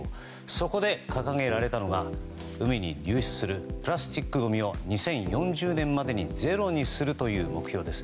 そこで掲げられたのが海に流出するプラスチックごみを２０４０年までにゼロにするという目標です。